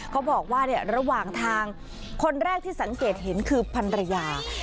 เขาบอกว่าระหว่างทางคนแรกที่สังเกตเห็นคือพันรยา